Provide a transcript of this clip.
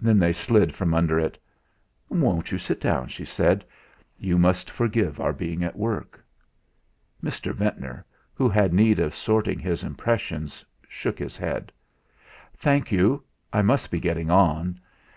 Then they slid from under it. "Won't you sit down?" she said. "You must forgive our being at work." Mr. Ventnor, who had need of sorting his impressions, shook his head. "Thank you; I must be getting on.